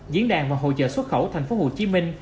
diễn đàn và hỗ trợ xuất khẩu thành phố hồ chí minh